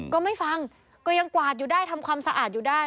ก็ไม่ฟังก็ยังกวาดอยู่ได้ทำความสะอาดอยู่ได้